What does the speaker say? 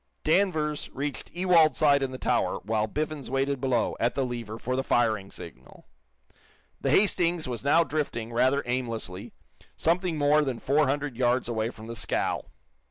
Danvers reached Ewald's side in the tower, while Biffens waited below, at the lever, for the firing signal. The "Hastings" was now drifting, rather aimlessly, something more than four hundred yards away from the scow.